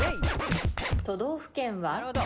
都道府県は？